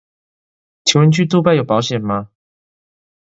請問去杜拜有保險嗎